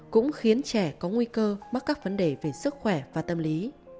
cũng khiến trẻ có nguy cơ mắc các vấn đề về sức khỏe và tâm lý